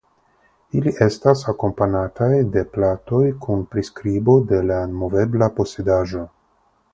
Ili estas akompanataj de platoj kun priskribo de la movebla posedaĵo.